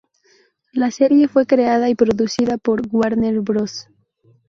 La serie fue creada y producida por Warner Bros.